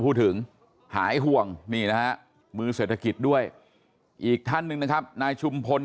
พูดถึงหายห่วงมือเศรษฐกิจด้วยอีกท่านนึงนะครับนายชุมพล